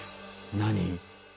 何？